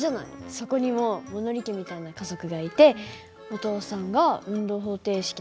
そこにも物理家みたいな家族がいてお父さんが運動方程式の説明をしてたりして。